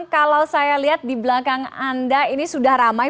kalau saya lihat di belakang anda ini sudah ramai